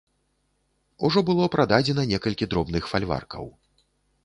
Ужо было прададзена некалькі дробных фальваркаў.